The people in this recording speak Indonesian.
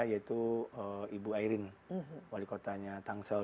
yaitu ibu airin wali kotanya tangsel